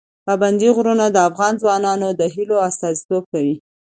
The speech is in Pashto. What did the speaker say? پابندی غرونه د افغان ځوانانو د هیلو استازیتوب کوي.